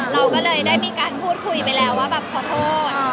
เราก็เลยได้มีการพูดคุยไปแล้วว่าแบบขอโทษ